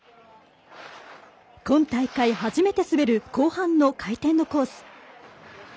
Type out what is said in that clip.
今大会初めて滑る後半の回転のコース。